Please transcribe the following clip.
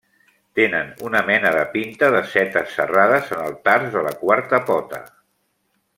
Tenen una mena de pinta de setes serrades en el tars de la quarta pota.